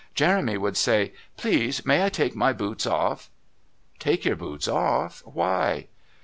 Jeremy would say: "Please, may I take my boots off?" "Take your boots off? Why?"